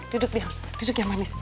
duduk ya duduk ya manis